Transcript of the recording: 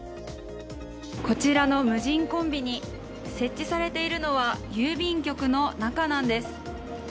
こちらの無人コンビニ、設置されているのは郵便局の中なんです。